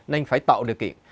nên phải tạo điều kiện